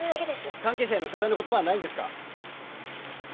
関係者への謝罪の言葉はないんですか？